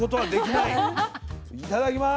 いただきます。